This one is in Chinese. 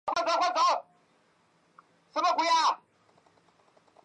扎达诺夫是乌克兰现任青年和体育部长。